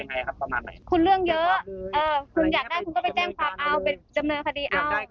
บอกว่าคุณเรื่องเยอะคุณเนี่ยมันเรื่องเยอะอยากได้คุณก็ไปแจ้งความเอาเลย